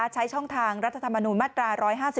ใช้ช่องทางรัฐธรรมนูญมาตรา๑๕๒